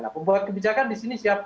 nah pembuat kebijakan di sini siapa